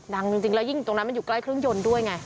ดังจริงแล้วยิ่งตรงนั้นมันอยู่ใกล้เครื่องยนต์ด้วยไง